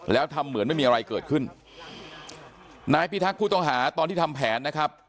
แล้วทำเหมือนไม่มีอะไรเกิดขึ้นนายพิทักษ์ผู้ต้องหาตอนที่ทำแผนนะครับ